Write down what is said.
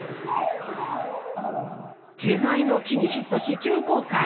手前の木にヒットし、急降下。